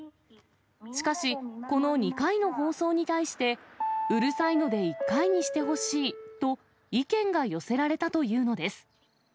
しかし、この２回の放送に対して、うるさいので１回にしてほしいと、意見が寄せられたというのです。